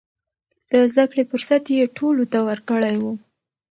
د زده کړې فرصت يې ټولو ته ورکړی و.